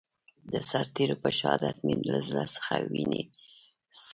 د سرتېرو په شهادت مې له زړه څخه وينې څاڅي.